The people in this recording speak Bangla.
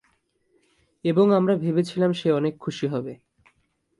এবং আমরা ভেবেছিলাম সে অনেক খুশি হবে।